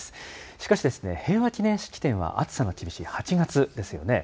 しかしですね、平和記念式典は暑さが厳しい８月ですよね。